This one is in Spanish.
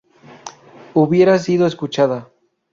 hubieras sido escuchada